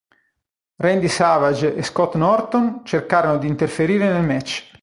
Randy Savage e Scott Norton cercarono di interferire nel match.